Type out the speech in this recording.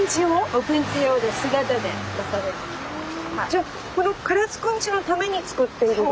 じゃあこの唐津くんちのために作っている。